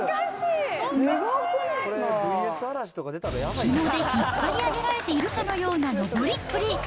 ひもで引っ張り上げられているかのような登りっぷり。